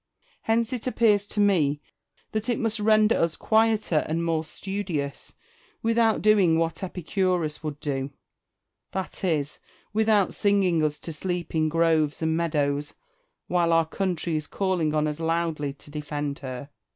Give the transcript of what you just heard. Hence it appears to me that it must render us quieter and more studious, without MARCUS TULLIUS AND QUINCTUS CICERO. zi>7 doing what Epicurus would do ; that is, without singing us to sleep in groves and meadows, while our country is calling on us loudly to defend her.